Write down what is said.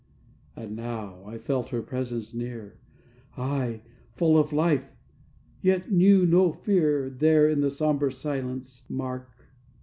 And now I felt her presence near, I, full of life; yet knew no fear There in the sombre silence, mark.